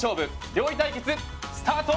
料理対決スタート！